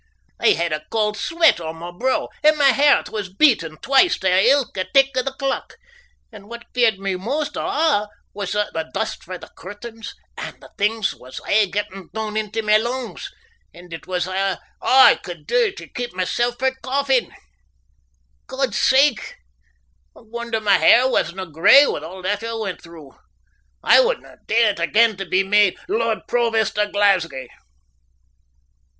I had a cauld sweat on my broo, and my hairt was beatin' twice tae ilka tick o' the clock, and what feared me most of a' was that the dust frae the curtains and things was aye gettin' doon intae my lungs, and it was a' I could dae tae keep mysel' frae coughin'. Godsakes! I wonder my hair wasna grey wi' a' that I went through. I wouldna dae it again to be made Lord Provost o' Glasgie.